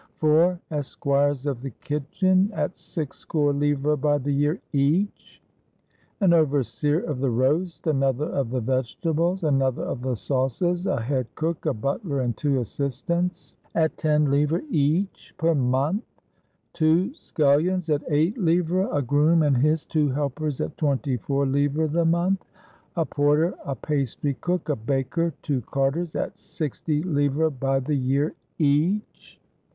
Four esquires of the kitchen, at six score livres by the year, each ! An overseer of the roast, another of the vegetables, another of the sauces, a head cook, a butler, and two assistants, at ten livres each per month ! Two scullions at eight livres ! A groom and his two helpers at twenty four livres the month ! A por ter, a pastry cook, a baker, two carters, at sixty livres by the year each!